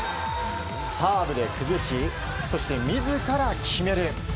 サーブで崩しそして自ら決める。